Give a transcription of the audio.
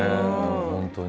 本当に。